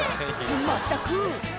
まったく！